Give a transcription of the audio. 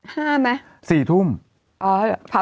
ต้องกินตอนเลิกเผาทั้งหมดหรือ